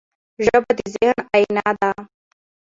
ژبه د ذهن آیینه ده.